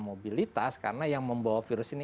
mobilitas karena yang membawa virus ini